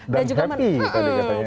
kuat dan happy tadi katanya